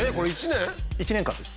１年間です。